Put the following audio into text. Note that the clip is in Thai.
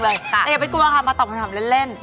แต่อย่าไปกลัวค่ะมาตอบคำถามเล่น